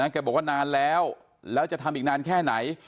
แกบอกว่านานแล้วแล้วจะทำอีกนานแค่ไหน